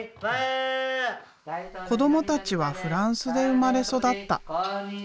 子どもたちはフランスで生まれ育った。